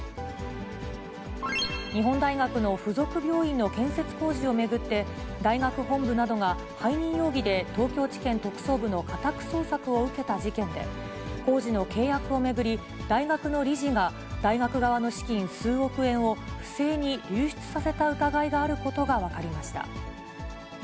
日本大学の附属病院の建設工事を巡って、大学本部などが背任容疑で東京地検特捜部の家宅捜索を受けた事件で、工事の契約を巡り、大学の理事が、大学側の資金数億円を不正に流出させた疑いがあることが分かりました。